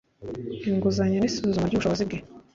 inguzanyo n isuzuma ry ubushobozi bwe